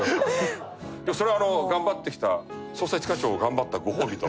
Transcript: でもそれは頑張ってきた『捜査一課長』を頑張ったご褒美と。